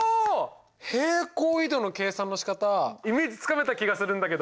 平行移動の計算のしかたイメージつかめた気がするんだけど！